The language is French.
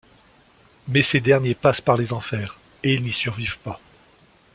Mais ces derniers passent par les Enfers, et ils n'y survivent pas.